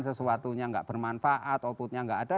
sesuatunya gak bermanfaat outputnya gak ada